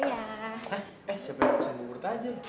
eh siapa yang nongsen bubur tajil